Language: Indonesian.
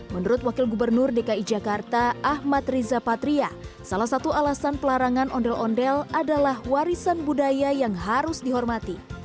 menurut wakil gubernur dki jakarta ahmad riza patria salah satu alasan pelarangan ondel ondel adalah warisan budaya yang harus dihormati